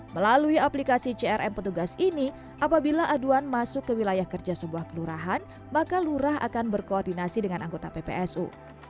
melalui aplikasi crm petugas ini apabila aduan masuk ke wilayah kerja sebuah kelurahan maka lurah akan berkoordinasi dengan anggota ppsu